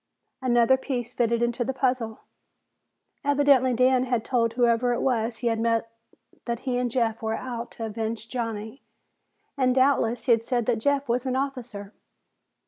Another piece fitted into the puzzle. Evidently Dan had told whoever it was he had met that he and Jeff were out to avenge Johnny, and doubtless he'd said that Jeff was an officer.